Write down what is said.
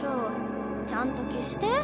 ちゃんと消して。